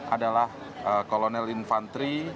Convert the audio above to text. adalah kolonel infantri